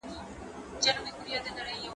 زه مخکي مېوې وچولي وې